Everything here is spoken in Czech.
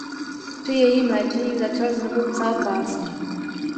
Při jejím léčení začal znovu psát básně.